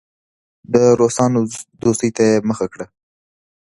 د روسانو دوستۍ ته یې مخه کړه.